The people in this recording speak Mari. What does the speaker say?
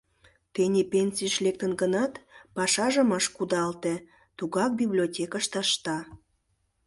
Тений пенсийыш лектын гынат, пашажым ыш кудалте, тугак библиотекыште ышта.